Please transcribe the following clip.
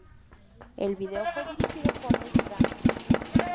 El video fue dirigido por Nick Brand.